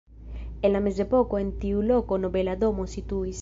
En la mezepoko en tiu loko nobela domo situis.